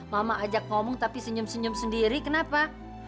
mama ajak ngomong tapi senyum senyum sendiri kenapa